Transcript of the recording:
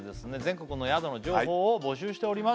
全国の宿の情報を募集しております